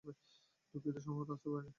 দুঃখিত সময়মতো আসতে পারিনি।